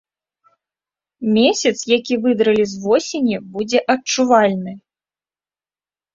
Месяц, які выдралі з восені, будзе адчувальны.